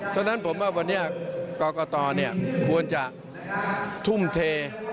ฉะนั้นผมว่าวันนี้กรกตควรจะทุ่มเท